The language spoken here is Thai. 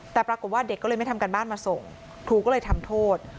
แต่ปรากฏว่าเด็กก็เลยไม่ทำการบ้านมาส่งครูก็เลยทำโทษ